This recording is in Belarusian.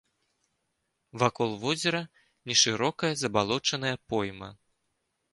Вакол возера нешырокая забалочаная пойма.